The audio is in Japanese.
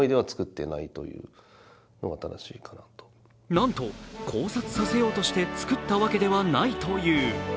なんと、考察させようとして作ったわけではないという。